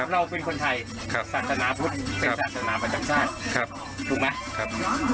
เราเป็นคนไทยศาสนาพุทธเป็นศาสนาประจำชาติถูกไหม